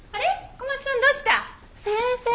小松さんどうした？